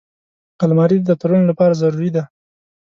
الماري د دفترونو لپاره ضروري ده